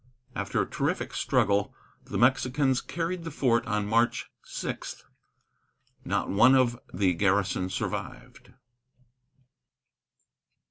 After a terrific struggle, the Mexicans carried the fort on March 6. Not one of the garrison survived.